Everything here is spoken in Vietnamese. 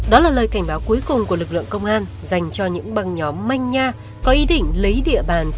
đó là lời cảnh báo cuối cùng của lực lượng công an dành cho những băng nhóm manh nha có ý định lấy địa bàn phú quốc làm nơi trú ngủ